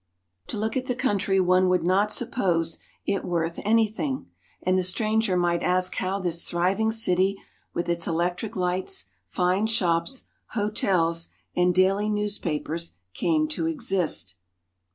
To look at the country one would not suppose it worth anything, and the stranger might ask how this thriving city, with its electric lights, fine shops, hotels, and daily ^296 AFRICA ^^V newspapers, came to exist.